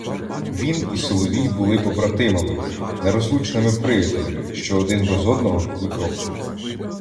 Він і Соловій були побратимами, нерозлучними приятелями, що один без одного — ні кроку.